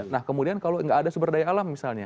nah kemudian kalau nggak ada sumber daya alam misalnya